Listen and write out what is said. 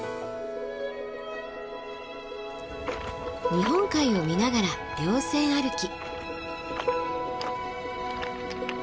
日本海を見ながら稜線歩き。